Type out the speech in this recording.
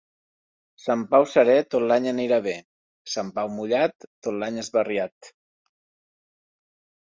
Sant Pau serè, tot l'any anirà bé; Sant Pau mullat, tot l'any esbarriat.